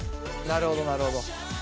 なるほどなるほど。